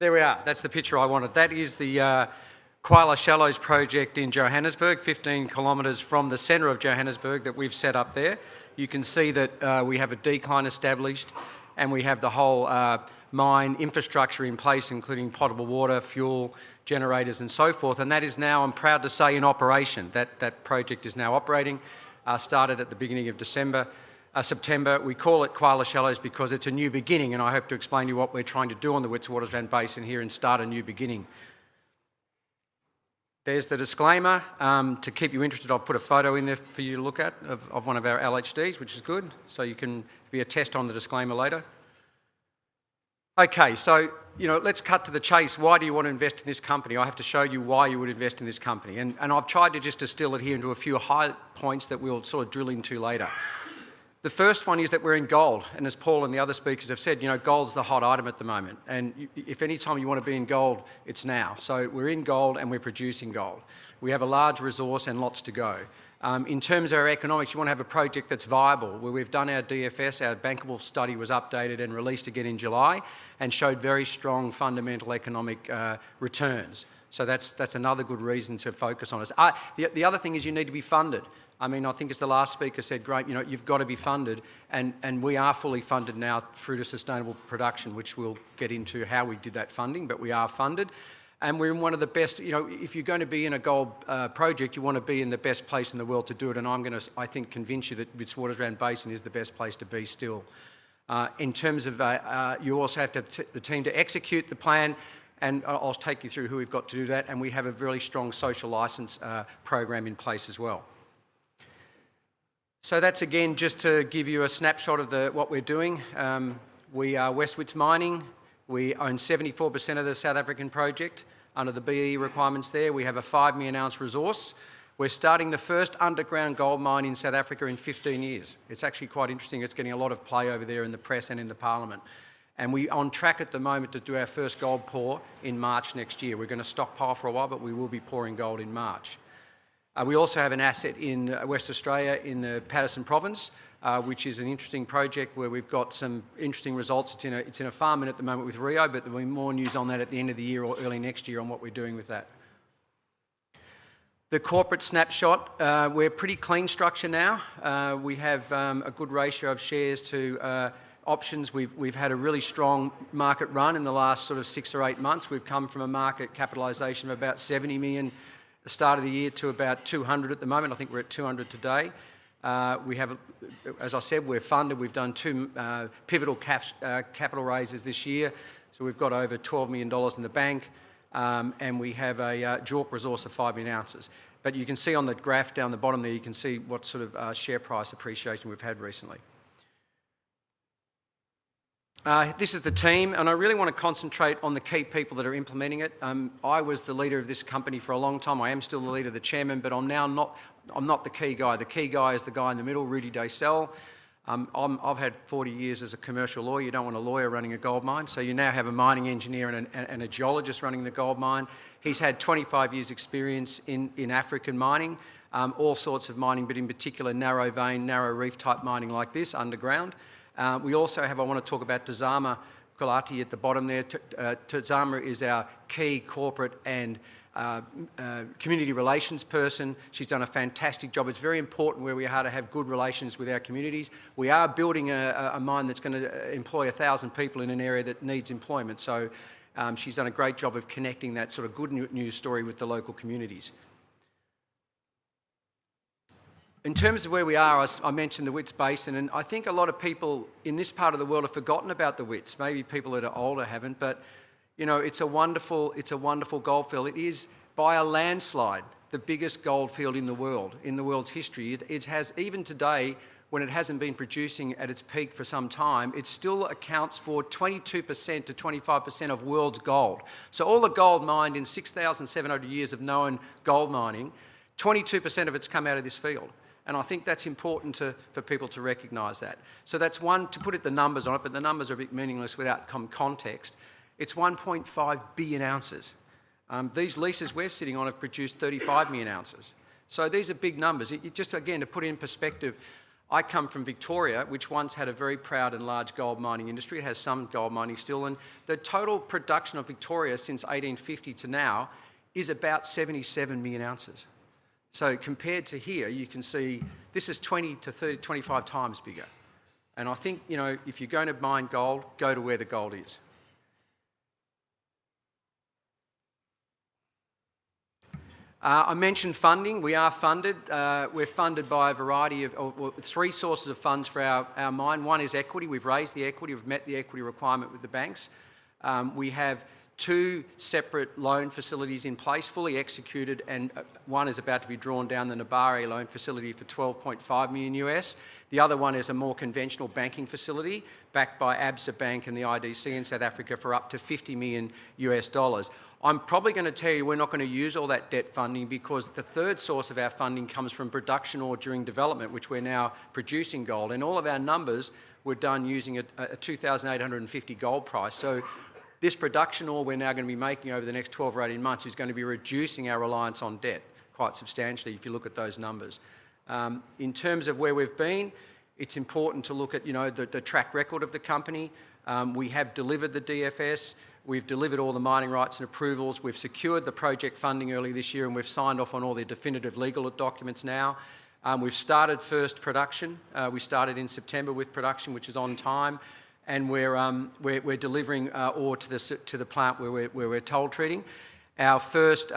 There we are. That's the picture I wanted. That is the Qala Shallows project in Johannesburg, 15 km from the center of Johannesburg that we've set up there. You can see that we have a decline established, and we have the whole mine infrastructure in place, including potable water, fuel, generators, and so forth. That is now, I'm proud to say, in operation. That project is now operating. Started at the beginning of September. We call it Qala Shallows because it's a new beginning, and I hope to explain to you what we're trying to do on the Witwatersrand Basin here and start a new beginning. There's the disclaimer. To keep you interested, I've put a photo in there for you to look at of one of our LHDs, which is good, so you can be a test on the disclaimer later. Okay, so let's cut to the chase. Why do you want to invest in this company? I have to show you why you would invest in this company. I've tried to just distill it here into a few high points that we'll sort of drill into later. The first one is that we're in gold. As Paul and the other speakers have said, gold's the hot item at the moment. If any time you want to be in gold, it's now. We're in gold, and we're producing gold. We have a large resource and lots to go. In terms of our economics, you want to have a project that's viable, where we've done our DFS, our bankable study was updated and released again in July, and showed very strong fundamental economic returns. That's another good reason to focus on us. The other thing is you need to be funded. I mean, I think as the last speaker said, great, you've got to be funded. We are fully funded now through to sustainable production, which we'll get into how we did that funding, but we are funded. We are in one of the best, if you're going to be in a gold project, you want to be in the best place in the world to do it. I'm going to, I think, convince you that Witwatersrand Basin is the best place to be still. In terms of, you also have the team to execute the plan, and I'll take you through who we've got to do that. We have a really strong social licence program in place as well. That's, again, just to give you a snapshot of what we're doing. We are West Wits Mining. We own 74% of the South African project under the BEE requirements there. We have a 5 million ounce resource. We're starting the first underground gold mine in South Africa in 15 years. It's actually quite interesting. It's getting a lot of play over there in the press and in the parliament. We're on track at the moment to do our first gold pour in March next year. We're going to stockpile for a while, but we will be pouring gold in March. We also have an asset in Western Australia in the Paterson Province, which is an interesting project where we've got some interesting results. It's in a farming at the moment with Rio Tinto, but there'll be more news on that at the end of the year or early next year on what we're doing with that. The corporate snapshot, we're a pretty clean structure now. We have a good ratio of shares to options. We've had a really strong market run in the last sort of six or eight months. We've come from a market capitalisation of about $70 million at the start of the year to about $200 million at the moment. I think we're at $200 million today. As I said, we're funded. We've done two pivotal capital raises this year. So we've got over $12 million in the bank, and we have a JORC resource of 5 million ounces. But you can see on the graph down the bottom there, you can see what sort of share price appreciation we've had recently. This is the team, and I really want to concentrate on the key people that are implementing it. I was the leader of this company for a long time. I am still the leader, the Chairman, but I'm not the key guy. The key guy is the guy in the middle, Rudi Deysel. I've had 40 years as a commercial lawyer. You don't want a lawyer running a gold mine. You now have a mining engineer and a geologist running the gold mine. He's had 25 years' experience in African mining, all sorts of mining, but in particular narrow vein, narrow reef type mining like this, underground. We also have, I want to talk about Tizama Kulate at the bottom there. Tizama is our key corporate and community relations person. She's done a fantastic job. It's very important where we are to have good relations with our communities. We are building a mine that's going to employ 1,000 people in an area that needs employment. She's done a great job of connecting that sort of good news story with the local communities. In terms of where we are, I mentioned the Wits Basin, and I think a lot of people in this part of the world have forgotten about the Wits. Maybe people that are older haven't, but it's a wonderful goldfield. It is, by a landslide, the biggest goldfield in the world, in the world's history. It has, even today, when it hasn't been producing at its peak for some time, it still accounts for 22%-25% of the world's gold. All the gold mined in 6,700 years of known gold mining, 22% of it has come out of this field. I think that's important for people to recognize that. That's one, to put the numbers on it, but the numbers are a bit meaningless without context. It's 1.5 billion ounces. These leases we're sitting on have produced 35 million ounces. These are big numbers. Just again, to put it in perspective, I come from Victoria, which once had a very proud and large gold mining industry. It has some gold mining still. The total production of Victoria since 1850 to now is about 77 million ounces. Compared to here, you can see this is 20x-25x bigger. I think if you're going to mine gold, go to where the gold is. I mentioned funding. We are funded. We're funded by a variety of three sources of funds for our mine. One is equity. We've raised the equity. We've met the equity requirement with the banks. We have two separate loan facilities in place, fully executed, and one is about to be drawn down, the Nedbank loan facility for $12.5 million. The other one is a more conventional banking facility backed by Absa Bank and the IDC in South Africa for up to $50 million. I'm probably going to tell you we're not going to use all that debt funding because the third source of our funding comes from production ore during development, which we're now producing gold. And all of our numbers were done using a $2,850 gold price. So this production ore we're now going to be making over the next 12 or 18 months is going to be reducing our reliance on debt quite substantially if you look at those numbers. In terms of where we've been, it's important to look at the track record of the company. We have delivered the DFS. We've delivered all the mining rights and approvals. We've secured the project funding early this year, and we've signed off on all the definitive legal documents now. We've started first production. We started in September with production, which is on time. We're delivering ore to the plant where we're toll treating. Our first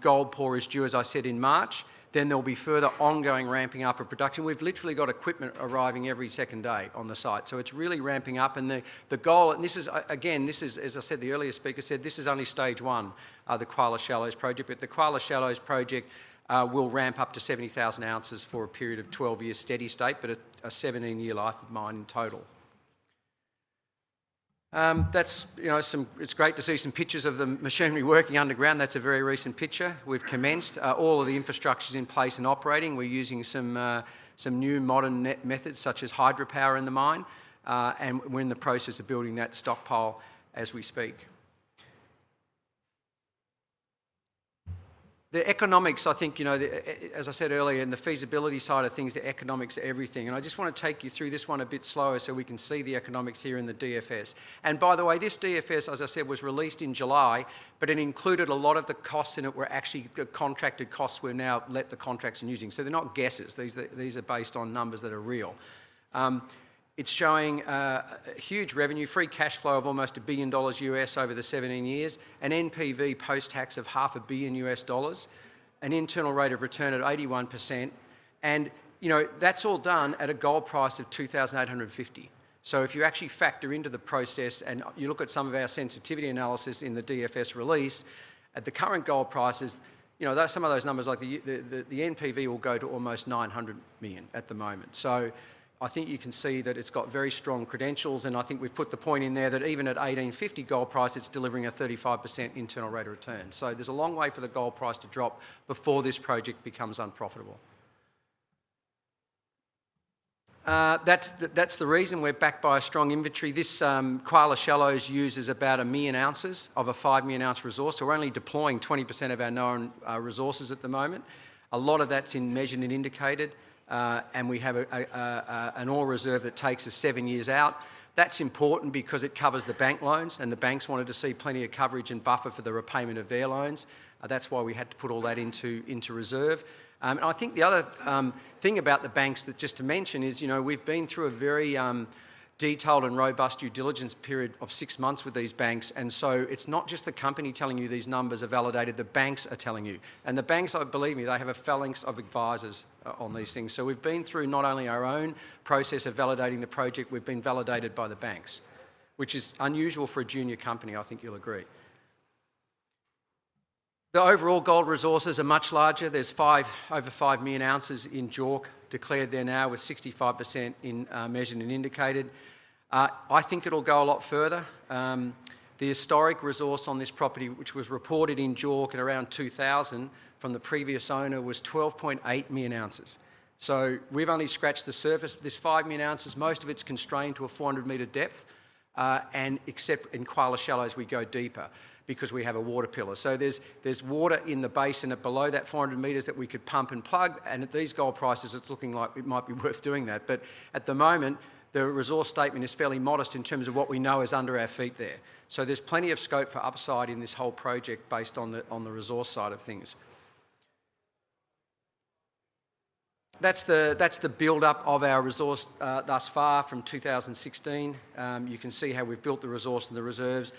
gold pour is due, as I said, in March. There will be further ongoing ramping up of production. We've literally got equipment arriving every second day on the site. It is really ramping up. The goal, and this is, again, as I said, the earlier speaker said, this is only stage one, the Qala Shallows project. The Qala Shallows project will ramp up to 70,000 ounces for a period of 12 years steady state, but a 17-year life of mine in total. It's great to see some pictures of the machinery working underground. That's a very recent picture. We've commenced. All of the infrastructure's in place and operating. We're using some new modern methods such as hydropower in the mine. We're in the process of building that stockpile as we speak. The economics, I think, as I said earlier, in the feasibility side of things, the economics are everything. I just want to take you through this one a bit slower so we can see the economics here in the DFS. By the way, this DFS, as I said, was released in July, but it included a lot of the costs in it were actually contracted costs we're now let the contracts are using. They're not guesses. These are based on numbers that are real. It's showing huge revenue, free cash flow of almost $1 billion over the 17 years, an NPV post-tax of $500 million, an internal rate of return at 81%. That's all done at a gold price of $2,850. If you actually factor into the process and you look at some of our sensitivity analysis in the DFS release, at the current gold prices, some of those numbers, like the NPV, will go to almost $900 million at the moment. I think you can see that it's got very strong credentials. I think we've put the point in there that even at $1,850 gold price, it's delivering a 35% internal rate of return. There's a long way for the gold price to drop before this project becomes unprofitable. That's the reason we're backed by a strong inventory. This Qala Shallows uses about a million ounces of a 5 million ounce resource. We're only deploying 20% of our known resources at the moment. A lot of that's in measured and indicated. We have an ore reserve that takes us seven years out. That's important because it covers the bank loans, and the banks wanted to see plenty of coverage and buffer for the repayment of their loans. That's why we had to put all that into reserve. I think the other thing about the banks just to mention is we've been through a very detailed and robust due diligence period of six months with these banks. It's not just the company telling you these numbers are validated. The banks are telling you. The banks, believe me, they have a phalanx of advisors on these things. We've been through not only our own process of validating the project, we've been validated by the banks, which is unusual for a junior company, I think you'll agree. The overall gold resources are much larger. There's over 5 million ounces in JORC declared there now with 65% in measured and indicated. I think it'll go a lot further. The historic resource on this property, which was reported in JORC at around 2000 from the previous owner, was 12.8 million ounces. We've only scratched the surface. This 5 million ounces, most of it's constrained to a 400 m depth. In Qala Shallows, we go deeper because we have a water pillar. There's water in the basin below 400 m that we could pump and plug. At these gold prices, it's looking like it might be worth doing that. At the moment, the resource statement is fairly modest in terms of what we know is under our feet there. There is plenty of scope for upside in this whole project based on the resource side of things. That is the buildup of our resource thus far from 2016. You can see how we have built the resource and the reserves.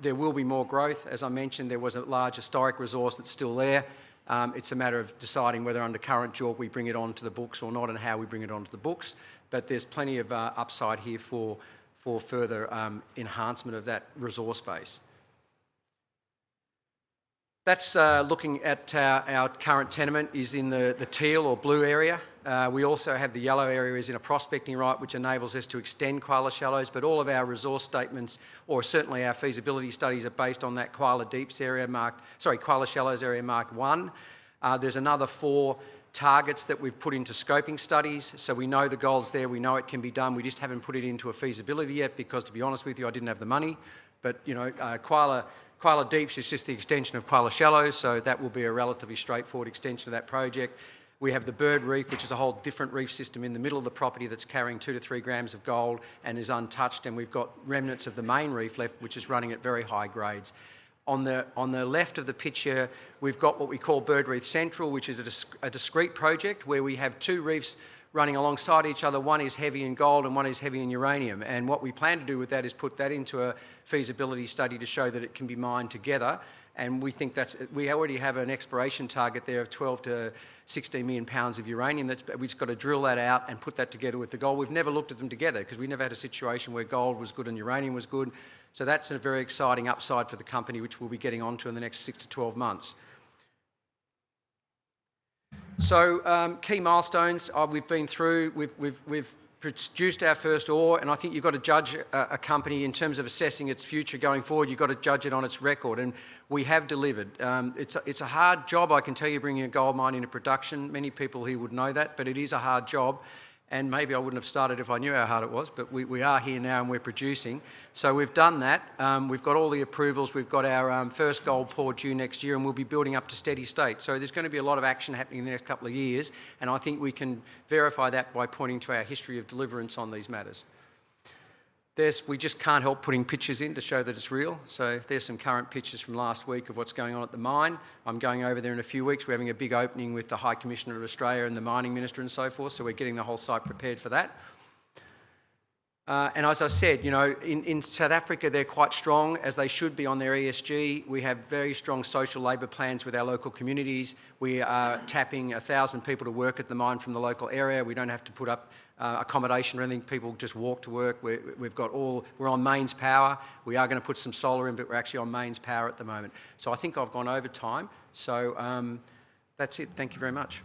There will be more growth. As I mentioned, there was a large historic resource that is still there. It is a matter of deciding whether under current JORC we bring it onto the books or not and how we bring it onto the books. There is plenty of upside here for further enhancement of that resource base. Looking at our current tenement, it is in the teal or blue area. We also have the yellow area, which is in a prospecting right, which enables us to extend Qala Shallows. All of our resource statements, or certainly our feasibility studies, are based on that Qala Shallows area mark one. There's another four targets that we've put into scoping studies. We know the gold's there. We know it can be done. We just haven't put it into a feasibility yet because, to be honest with you, I didn't have the money. Qala Deeps is just the extension of Qala Shallows, so that will be a relatively straightforward extension of that project. We have the Bird Reef, which is a whole different reef system in the middle of the property that's carrying 2-3 g of gold and is untouched. We've got remnants of the main reef left, which is running at very high grades. On the left of the picture, we've got what we call Bird Reef Central, which is a discreet project where we have two reefs running alongside each other. One is heavy in gold and one is heavy in uranium. What we plan to do with that is put that into a feasibility study to show that it can be mined together. We think we already have an exploration target there of 12-16 million of uranium. We've just got to drill that out and put that together with the gold. We've never looked at them together because we never had a situation where gold was good and uranium was good. That is a very exciting upside for the company, which we'll be getting onto in the next 6-12 months. Key milestones we've been through. We've produced our first ore. I think you've got to judge a company in terms of assessing its future going forward. You've got to judge it on its record. We have delivered. It's a hard job, I can tell you, bringing a gold mine into production. Many people here would know that, but it is a hard job. Maybe I wouldn't have started if I knew how hard it was. We are here now and we're producing. We've done that. We've got all the approvals. We've got our first gold pour due next year, and we'll be building up to steady state. There's going to be a lot of action happening in the next couple of years. I think we can verify that by pointing to our history of deliverance on these matters. We just can't help putting pictures in to show that it's real. There are some current pictures from last week of what is going on at the mine. I am going over there in a few weeks. We are having a big opening with the High Commissioner of Australia and the Mining Minister and so forth. We are getting the whole site prepared for that. As I said, in South Africa, they are quite strong, as they should be, on their ESG. We have very strong social labor plans with our local communities. We are tapping 1,000 people to work at the mine from the local area. We do not have to put up accommodation or anything. People just walk to work. We are on mains power. We are going to put some solar in, but we are actually on mains power at the moment. I think I have gone over time. That is it. Thank you very much.